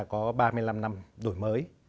chúng ta có ba mươi năm năm đổi mới